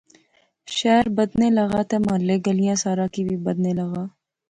شہر بدھنے لغا تہ محلے گلیاں سارا کی وی بدھنے لغا